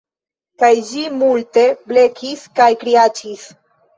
Kaj ĝi multe blekis kaj kriaĉis